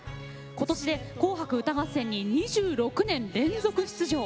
今年で「紅白歌合戦」に２６年連続出場。